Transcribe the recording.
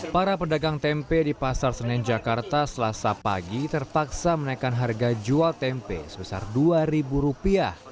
para pedagang tempe di pasar senen jakarta selasa pagi terpaksa menaikkan harga jual tempe sebesar rp dua